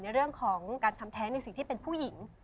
ในเรื่องของการทำแท้งในสิ่งที่เป็นผู้หญิง